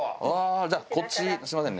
じゃあこっちすみませんね。